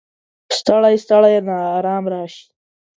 ستړی، ستړی ناارام راشي